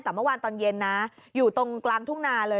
แต่เมื่อวานตอนเย็นนะอยู่ตรงกลางทุ่งนาเลย